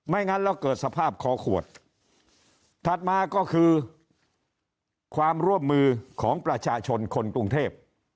งั้นแล้วเกิดสภาพคอขวดถัดมาก็คือความร่วมมือของประชาชนคนกรุงเทพ